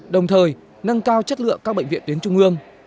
đồng thời nâng cao chất lượng các bệnh viện tuyến trung ương